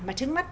mà trước mắt